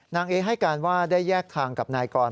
นางเอให้การว่าได้แยกทางกับนายกร